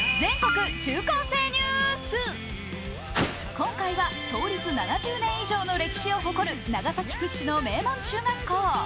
今回は創立７０年以上を誇る長崎屈指の名門中学校。